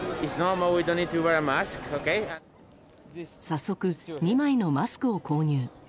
早速、２枚のマスクを購入。